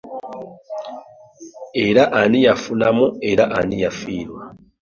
Era ani yafunamu era ani yafiirwa.